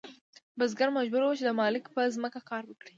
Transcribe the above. بزګر مجبور و چې د مالک په ځمکه کار وکړي.